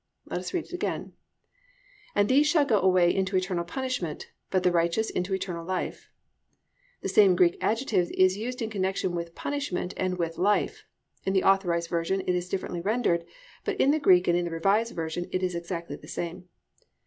Let us read it again, +"And these shall go away into eternal punishment: but the righteous into eternal life."+ The same Greek adjective is used in connection with "punishment" and with "life." (In the Authorised Version it is differently rendered, but in the Greek and in the Revised Version it is exactly the same.)